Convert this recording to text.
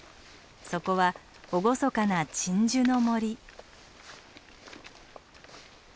そこは厳かな鎮守の森。